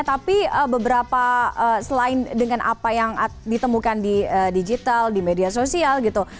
tapi beberapa selain dengan apa yang ditemukan di digital di media sosial gitu